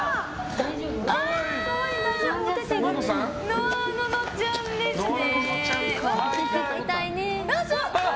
のあののちゃんですね。